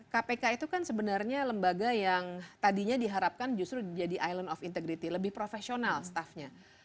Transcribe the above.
kpk itu kan sebenarnya lembaga yang tadinya diharapkan justru jadi island of integrity lebih profesional staffnya